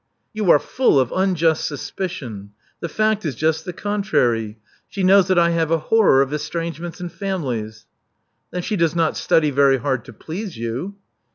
'* You are full of unjust suspicion. The fact is just the contrary. She knows that I have a horror of estrangements in families." *'Then she does not study very hard to please you."